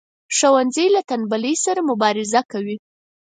ښوونځی له تنبلی سره مبارزه کوي